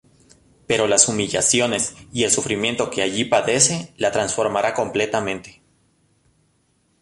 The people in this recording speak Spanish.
Pero las humillaciones y el sufrimiento que allí padece la transformará completamente.